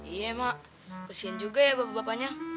iya mak kesin juga ya bapak bapaknya